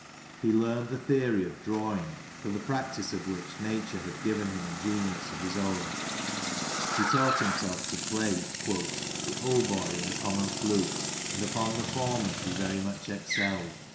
He learned the theory of drawing, for the practice of which Nature had given him a genius of his own. He taught himself to play " the hautboy and the common flute, and upon the former he very much excelled."